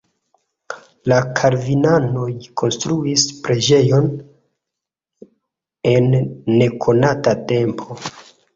La kalvinanoj konstruis preĝejon en nekonata tempo.